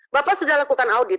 bapak sudah lakukan audit